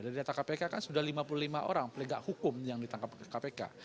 dari data kpk kan sudah lima puluh lima orang pelegak hukum yang ditangkap kpk